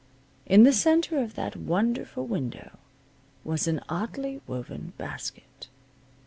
In the center of that wonderful window was an oddly woven basket.